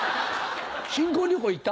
新婚旅行行った？